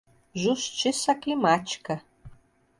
Justiça climática